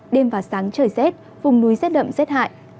đêm và sáng trời rét vùng núi rét đậm rét hại